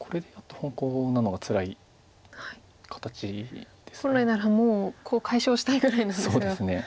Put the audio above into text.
本来ならもうコウを解消したいぐらいなんですが。